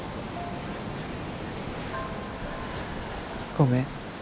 ごめん